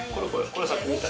これさっきみた。